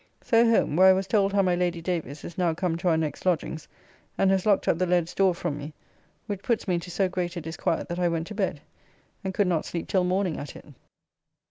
So home, where I was told how my Lady Davis is now come to our next lodgings, and has locked up the leads door from me, which puts me into so great a disquiet that I went to bed, and could not sleep till morning at it.